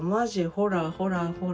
ほらほらほら。